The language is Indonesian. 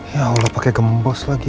ya allah pake gembos lagi